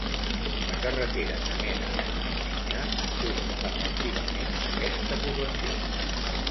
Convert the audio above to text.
La carretera que mena a Ansinyà surt, efectivament, d'aquesta població.